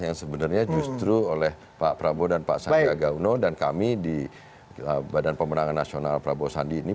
yang sebenarnya justru oleh pak prabowo dan pak sandiaga uno dan kami di badan pemenangan nasional prabowo sandi ini